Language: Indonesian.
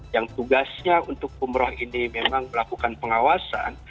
yang tugasnya untuk umroh ini memang melakukan pengawasan